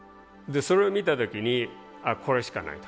それを見た時にああこれしかないと。